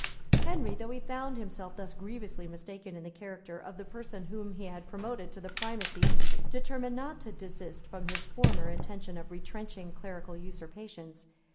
Henry, though he found himself thus grievously mistaken in the character of the person whom he had promoted to the primacy, determined not to desist from his former intention of retrenching clerical usurpations.